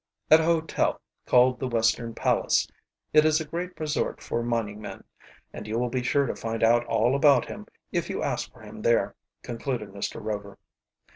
"At a hotel called the Western Palace. It is a great resort for mining men, and you will be sure to find out all about him if you ask for him there," concluded Mr. Rover.